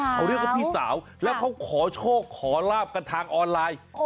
เขาเรียกว่าพี่สาวแล้วเขาขอโชคขอลาบกันทางออนไลน์